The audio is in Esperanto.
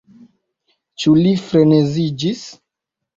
Ĉu li freneziĝis?